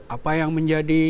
apa yang menjadi